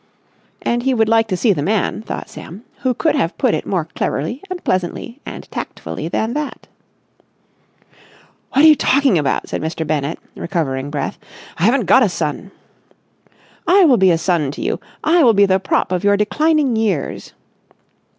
And he would like to see the man, thought Sam, who could have put it more cleverly and pleasantly and tactfully than that. "What are you talking about?" said Mr. Bennett, recovering breath. "I haven't got a son." "I will be a son to you! I will be the prop of your declining years...."